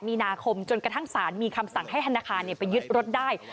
มีนาคมจนกระทั่งสารมีคำสั่งให้ธนาคารไปยึดรถได้